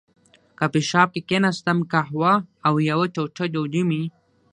کافي شاپ کې کېناستم، قهوه او یوه ټوټه ډوډۍ مې.